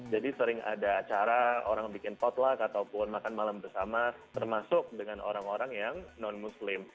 jadi sering ada acara orang bikin potluck ataupun makan malam bersama termasuk dengan orang orang yang non muslim